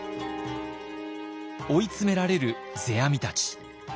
追い詰められる世阿弥たち。